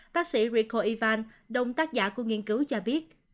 bác sĩ rico ivan đồng tác giả của nghiên cứu cho biết